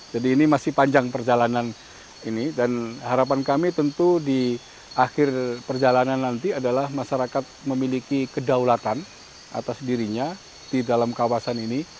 jadi ini masih panjang perjalanan ini dan harapan kami tentu di akhir perjalanan nanti adalah masyarakat memiliki kedaulatan atas dirinya di dalam kawasan ini